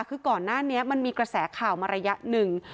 คือก่อนหน้านี้มันมีกระแสข่าวมาระยะหนึ่ง